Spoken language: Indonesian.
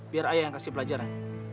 biar ayah yang kasih pelajaran